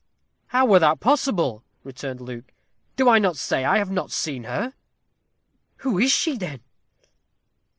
"How were that possible?" returned Luke. "Do I not say I have not seen her?" "Who is she, then?"